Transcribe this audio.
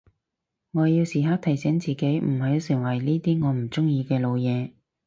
我要時刻提醒自己唔好成為呢啲我唔中意嘅老嘢